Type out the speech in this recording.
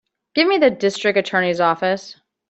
Give me the District Attorney's office.